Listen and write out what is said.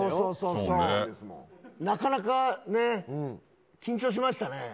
なかなかね、緊張しましたね。